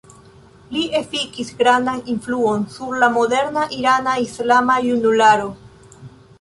Li efikis grandan influon sur la moderna irana islama junularo.